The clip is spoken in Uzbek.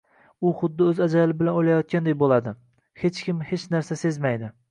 U xuddi oʻz ajali bilan oʻlgandek boʻladi, hech kim hech narsa sezmaydi